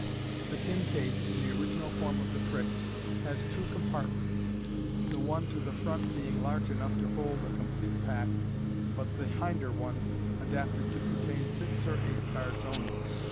The tin case, in the original form of the trick, has two compartments — the one to the front being large enough to hold a complete pack, but the hinder one adapted to contain six or eight cards only.